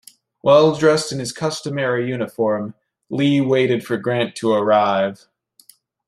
Well-dressed in his customary uniform, Lee waited for Grant to arrive.